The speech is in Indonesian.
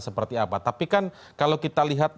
seperti apa tapi kan kalau kita lihat